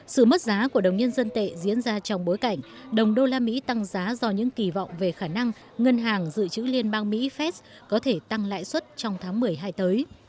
sự mất giá của đồng nhân dân tệ diễn ra trong bối cảnh đồng đô la mỹ tăng giá do những kỳ vọng về khả năng ngân hàng dự trữ liên bang mỹ feds có thể tăng lãi suất trong tháng một mươi hai tới